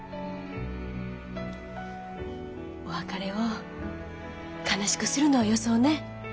お別れを悲しくするのよそうね。